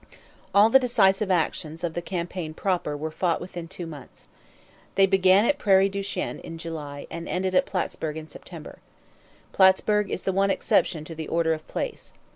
All the decisive actions of the campaign proper were fought within two months. They began at Prairie du Chien in July and ended at Plattsburg in September. Plattsburg is the one exception to the order of place.